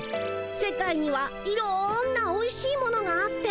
世界にはいろんなおいしいものがあって。